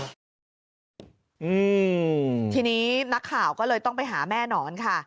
อืมทีนี้นักข่าวก็เลยต้องไปหาแม่หนอนค่ะ